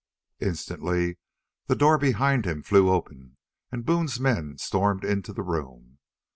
Instantly the door behind him flew open and Boone's men stormed into the room.